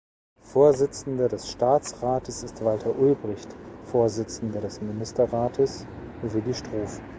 Vorsitzender des Staatsrates ist Walter Ulbricht, Vorsitzender des Ministerrates Willi Stoph.